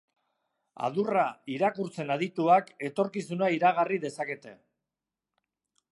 Adurra irakurtzen adituak, etorkizuna iragarri dezakete.